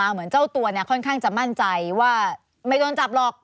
เหมือนเจ้าตัวค่อนข้างจะมั่นใจว่าไม่โดนจับหรอก